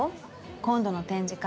今度の展示会